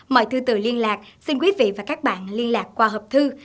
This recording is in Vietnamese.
mời thư tử liên lạc xin quý vị và các bạn liên lạc qua hợp thư